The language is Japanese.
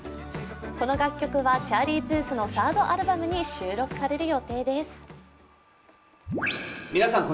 この楽曲はチャーリー・プースのアルバムに収録されま予定です。